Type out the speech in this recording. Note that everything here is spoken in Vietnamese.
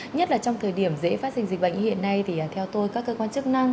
nhất là trong thời điểm dễ phát sinh dịch bệnh hiện nay thì theo tôi các cơ quan chức năng